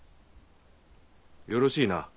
よろしいな？